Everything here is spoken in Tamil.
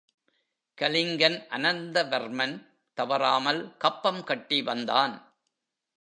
கலிங்கன் அனந்தவர்மன் தவறாமல் கப்பம் கட்டி வந்தான்.